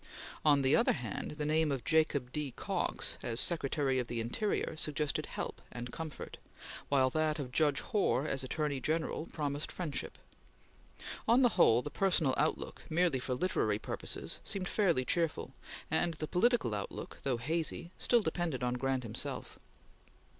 On the other hand, the name of Jacob D. Cox, as Secretary of the Interior, suggested help and comfort; while that of Judge Hoar, as Attorney General, promised friendship. On the whole, the personal outlook, merely for literary purposes, seemed fairly cheerful, and the political outlook, though hazy, still depended on Grant himself.